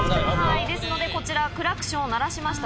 こちらクラクションを鳴らしました！